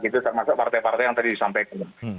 itu termasuk partai partai yang tadi disampaikan